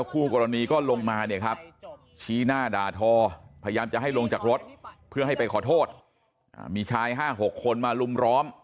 คู่กรณีก็ลงมาเนี่ยครับชี้หน้าด่าทอพยายามจะให้ลงจากรถเพื่อให้ไปขอโทษมีชาย๕๖คนมาลุมล้อม